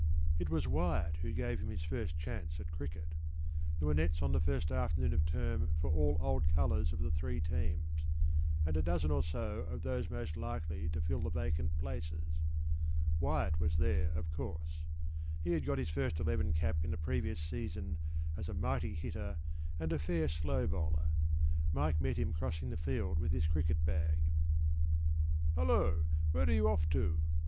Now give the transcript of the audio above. p> It was Wyatt who gave him his first chance at cricket.  There were nets on the first afternoon of term for all old colours of the three teams and a dozen or so of those most likely to fill the vacant places.  Wyatt was there, of course.  He had got his first eleven cap in the previous season as a mighty hitter and a fair slow bowler.  Mike met him crossing the field with his cricket bag. “Hullo, where are you off to?